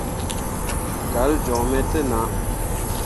Galle joŋ me te nah.